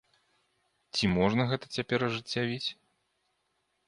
Ці можна гэта цяпер ажыццявіць?